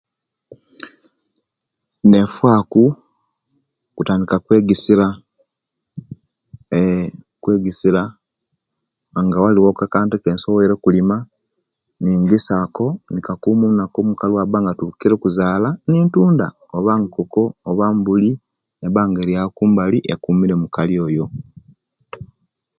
Nefaku kutaka kwegisira eee kwegisira nga waliwo akantu ekensobwoire okulima ningisa ako ninkuma olunaku omukali lwatukire okuzala nintunda oba nkoko oba nbuli neba nga eri kumbali ekumire mukali oyo